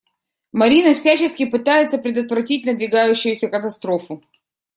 Марина всячески пытается предотвратить надвигающуюся катастрофу.